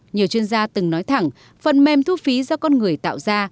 nhiều chuyên gia từng nói thẳng phần mềm thu phí do con người tạo ra